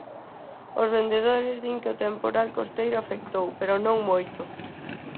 Os vendedores din que o temporal costeiro afectou, pero non moito.